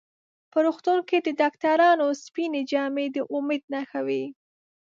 په روغتون کې د ډاکټرانو سپینې جامې د امید نښه وي.